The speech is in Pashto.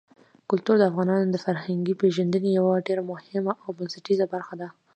کلتور د افغانانو د فرهنګي پیژندنې یوه ډېره مهمه او بنسټیزه برخه ده.